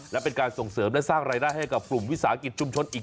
และเป็นการส่งเสริมและสร้างรายได้ให้กับกลุ่มวิสาหกิจชุมชนอีก